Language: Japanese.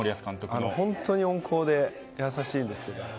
本当に温厚で優しいんです。